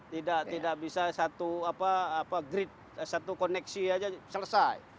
tidak bisa satu grid satu koneksi saja selesai